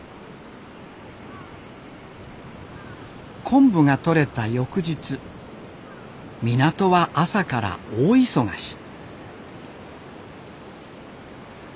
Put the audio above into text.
昆布がとれた翌日港は朝から大忙し。